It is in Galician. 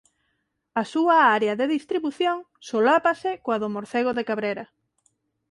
A súa área de distribución solápase coa do morcego de Cabrera.